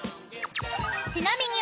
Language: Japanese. ［ちなみに］